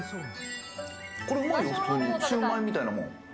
これうまいよ、普通にシュウマイみたいなもん。